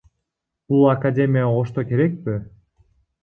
Бул академия Ошто керекпи?